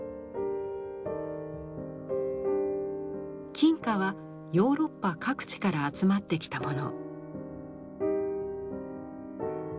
金貨はヨーロッパ各地から集まってきたもの。